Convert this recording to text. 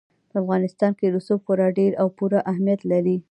په افغانستان کې رسوب خورا ډېر او پوره اهمیت لري.